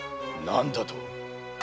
何だと！